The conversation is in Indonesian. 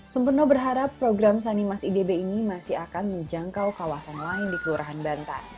sumpeno berharap program sanimas idb ini masih akan menjangkau kawasan lain di kelurahan bantan